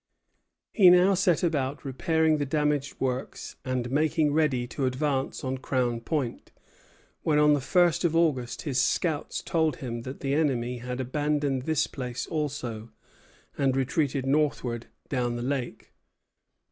He now set about repairing the damaged works and making ready to advance on Crown Point; when on the first of August his scouts told him that the enemy had abandoned this place also, and retreated northward down the lake.